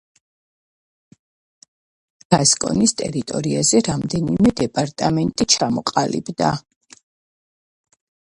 გასკონის ტერიტორიაზე რამდენიმე დეპარტამენტი ჩამოყალიბდა.